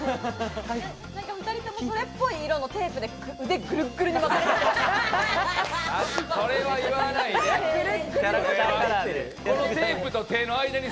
２人ともそれっぽい色のテープでグルグルに巻かれている。